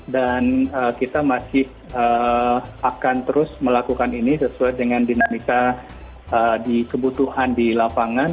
dan kita masih akan terus melakukan ini sesuai dengan dinamika kebutuhan di lapangan